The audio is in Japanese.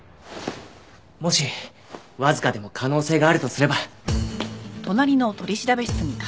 もしわずかでも可能性があるとすれば！